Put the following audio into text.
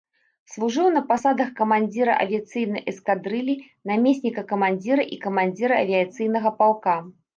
Служыў на пасадах камандзіра авіяцыйнай эскадрыллі, намесніка камандзіра і камандзіра авіяцыйнага палка.